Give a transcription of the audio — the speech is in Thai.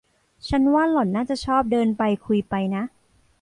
ฉันว่าหล่อนน่าจะชอบเดินไปคุยไปนะ